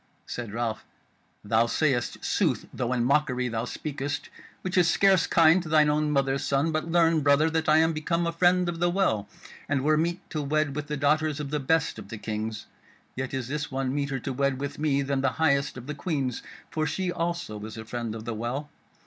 Said Ralph: "Thou sayest sooth, though in mockery thou speakest, which is scarce kind to thine own mother's son: but learn, brother, that I am become a Friend of the Well, and were meet to wed with the daughters of the best of the Kings: yet is this one meeter to wed with me than the highest of the Queens; for she also is a Friend of the Well.